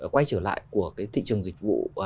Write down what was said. quay trở lại của cái thị trường dịch vụ